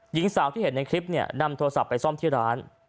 หญิงสาวที่เห็นในคลิปเนี่ยนำโทรศัพท์ไปซ่อมที่ร้าน